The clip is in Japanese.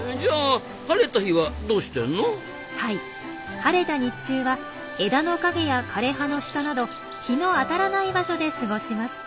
晴れた日中は枝の陰や枯れ葉の下など日の当たらない場所で過ごします。